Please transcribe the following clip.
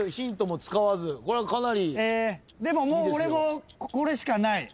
でももう俺もこれしかない。